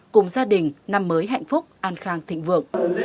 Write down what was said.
cùng gia đình năm mới hạnh phúc an khang thịnh vượng